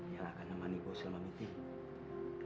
yang akan menemani bos selama meeting